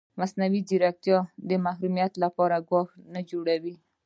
ایا مصنوعي ځیرکتیا د محرمیت لپاره ګواښ نه جوړوي؟